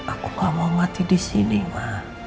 aku gak mau mati disini ma